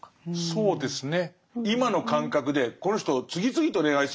そうですね。